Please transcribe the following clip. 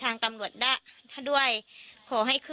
ต้องรอผลพิสูจน์จากแพทย์ก่อนนะคะ